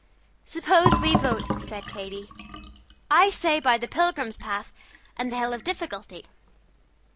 "Suppose we vote," said Katy. "I say by the Pilgrim's Path and the Hill of Difficulty."